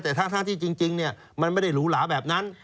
แต่ทั้งที่จริงมันไม่ได้หรูหลาแบบนั้น